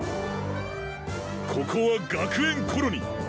［ここは学園コロニー］